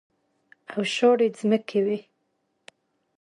او شاړې ځمکې وې.